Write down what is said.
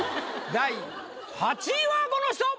第８位はこの人！